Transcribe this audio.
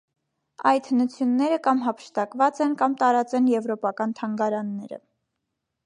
Այդ հնութիւնները կամ յափշտակուած են, կամ տարուած են եւրոպական թանգարանները։